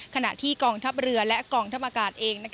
ขณะที่กองทัพเรือและกองทัพอากาศเอง